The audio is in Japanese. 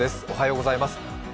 おはようございます。